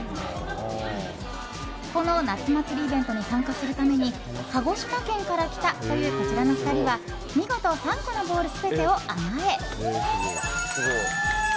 この夏祭りイベントに参加するために鹿児島県から来たというこちらの２人は見事、３個のボール全てを穴へ！